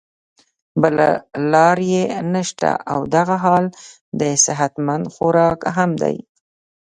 بله لار ئې نشته او دغه حال د صحت مند خوراک هم دے